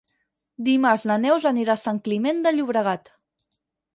Dimarts na Neus anirà a Sant Climent de Llobregat.